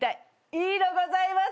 いいのございます。